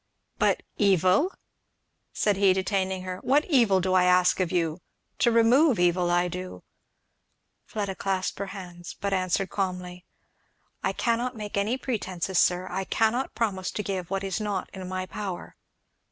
"But evil?" said he detaining her, "what evil do I ask of you? to remove evil, I do." Fleda clasped her hands, but answered calmly, "I cannot make any pretences, sir; I cannot promise to give what is not in my power."